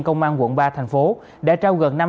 công an quận ba thành phố đã trao gần